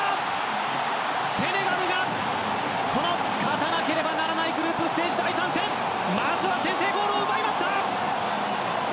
セネガルがこの勝たなければならないグループステージ第３戦まずは先制ゴールを奪いました！